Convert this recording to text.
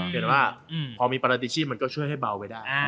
เป็นว่าพอมีประติชีพมันก็ช่วยให้เบาไปได้